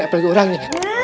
apa itu orangnya